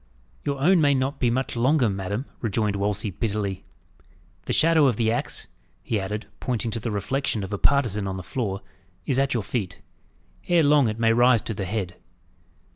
"Your own may not be much longer, madam," rejoined Wolsey bitterly. "The shadow of the axe," he added, pointing to the reflection of a partisan on the floor, "is at your feet. Ere long it may rise to the head."